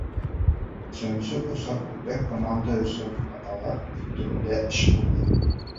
Өсөнсө осор бөтә команда өсөн хаталар өҫтөндә эш булды.